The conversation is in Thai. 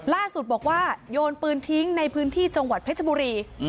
ล่าสุดบอกว่าโยนปืนทิ้งในพื้นที่จังหวัดเพชรบุรี